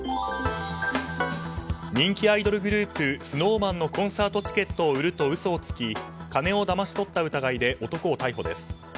人気アイドルグループＳｎｏｗＭａｎのコンサートチケットを売ると嘘をつき金をだまし取った疑いで男を逮捕です。